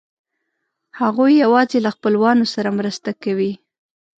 هغوی یواځې له خپلوانو سره مرسته کوي.